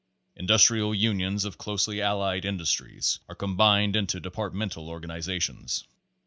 Industrial Unions of closely allied industries are combined into departmental organizations.